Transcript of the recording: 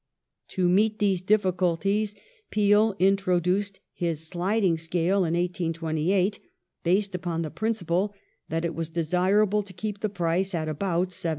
To meet these difficulties Peel introduced his sliding scale in 1828, based upon the principle that it was desirable to keep the price at about 70s.